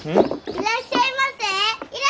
いらっしゃいませ！